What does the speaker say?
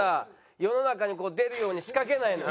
世の中に出るように仕掛けないのよ？